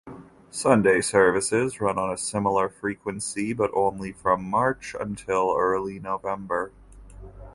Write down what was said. Sunday services run on a similar frequency, but only from March until early November.